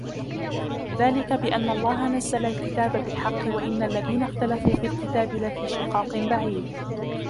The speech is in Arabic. ذلك بأن الله نزل الكتاب بالحق وإن الذين اختلفوا في الكتاب لفي شقاق بعيد